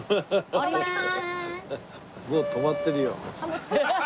降りまーす！